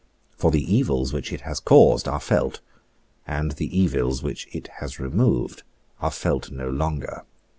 For the evils which it has caused are felt; and the evils which it has removed are felt no longer.